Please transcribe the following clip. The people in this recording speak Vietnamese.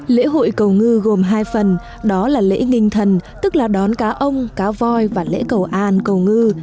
lễ hội cầu ngư gồm hai phần đó là lễ nghinh thần tức là đón cá ông cá voi và lễ cầu an cầu ngư